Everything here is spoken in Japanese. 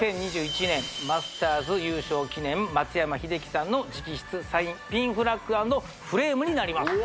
２０２１年マスターズ優勝記念松山英樹さんの直筆サインピンフラッグ＆フレームになります